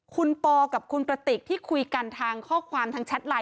คุณปอกับคุณกระติกที่คุยกันทางข้อความทางแชทไลน